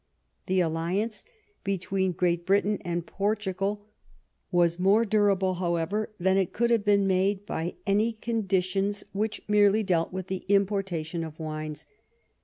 The alliance between Great Britain and Portugal was more durable, however, than it could have been made by any condi 89 THE RBI6N OF QUEEN ANNE tions which merely dealt with the importation of winee.